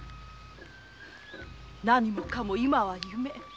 何もかも今は夢。